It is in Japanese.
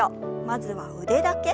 まずは腕だけ。